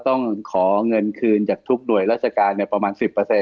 ต้องขอเงินคืนจากทุกหน่วยราชการประมาณ๑๐